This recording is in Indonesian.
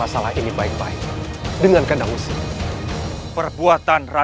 sampai jumpa di video selanjutnya